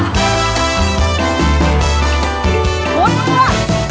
มันก็รักนะมันก็รักนะ